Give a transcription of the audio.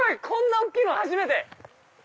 こんな大きいの初めて！